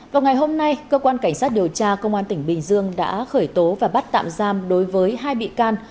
vào ngày hôm nay cơ quan cảnh sát điều tra công an tỉnh bình dương đã khởi tố và bắt tạm giam đối với hai bị can